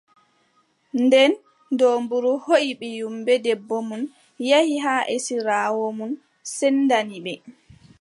Nden doombru hooʼi ɓiyumʼen bee debbo mum, yehi haa esiraawo mum, sendani ɓe.